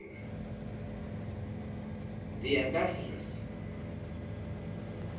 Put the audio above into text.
The Ambassadors.